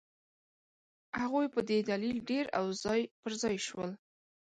هغوی په دې دلیل ډېر او ځای پر ځای شول.